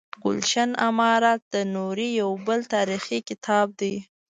ګلشن امارت د نوري یو بل تاریخي کتاب دی.